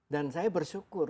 dan saya bersyukur